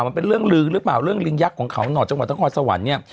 มันเป็นเรื่องลือหรือเปล่าเรื่องลิงยักษ์ของเขาหนอดจังหวัดนครสวรรค์เนี่ย